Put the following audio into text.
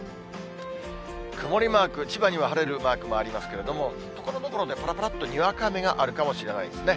曇りマーク、千葉には晴れるマークもありますけども、ところどころでぱらぱらっと、にわか雨があるかもしれないですね。